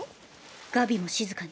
ガビも静かに。